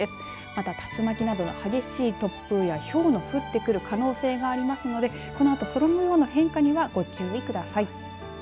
また、竜巻など激しい突風やひょうの降ってくる可能性がありますのでこのあと空もようの変化にはご注意ください。